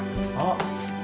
あっ。